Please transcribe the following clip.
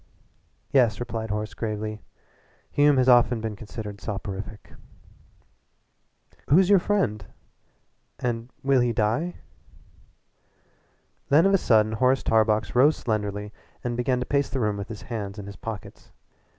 "Yes," replied Horace gravely, "Hume has often been considered soporific " "Who's your friend and will he die?" Then of a sudden Horace Tarbox rose slenderly and began to pace the room with his hands in his pockets.